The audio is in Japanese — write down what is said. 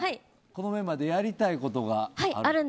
このメンバーでやりたいことがある。